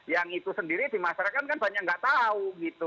yang itu sendiri di masyarakat kan banyak nggak tahu gitu